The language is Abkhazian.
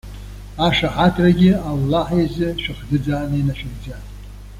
Ашаҳаҭрагьы Аллаҳ изы шәахӡыӡааны инашәыгӡа.